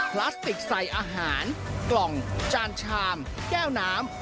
พลาสติกใส่อาหารกล่องจานชามแก้วน้ำ